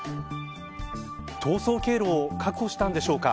逃走経路を確保したんでしょうか。